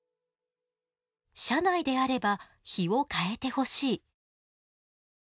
「社内であれば日を変えて欲しい」。